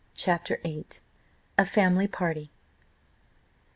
CHAPTER VIII. A FAMILY PARTY.